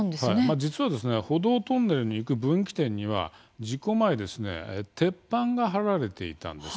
実は歩道トンネルに行く分岐点には事故前鉄板が張られていたんです。